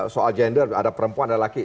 soal gender ada perempuan ada laki